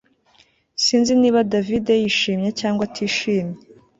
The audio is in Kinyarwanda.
Sinzi niba David yishimye cyangwa atishimye